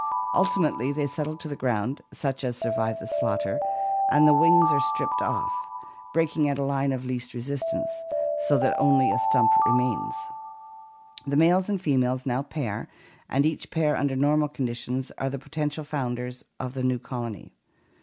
Ultimately they settle to the ground, such as survive the slaughter, and the wings are stripped off, breaking at a line of least resistance, so that only a stump remains behind. The males and females now pair and each pair under normal condi tions are the potential founders of a new colony.